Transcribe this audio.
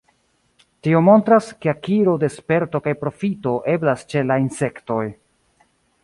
Tio montras, ke akiro de sperto kaj profito eblas ĉe la insektoj.